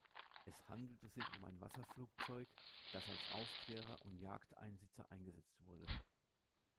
Es handelte sich um ein Wasserflugzeug, das als Aufklärer und Jagdeinsitzer eingesetzt wurde.